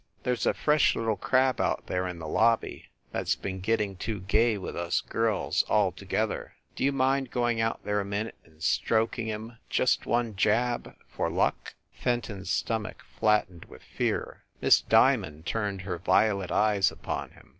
There s a fresh little crab out there in the lobby that s been getting too gay with us girls altogether. D you mind going out there a minute and stroking him just one jab for luck?" Fenton s stomach flattened with fear. Miss Dia mond turned her violet eyes upon him.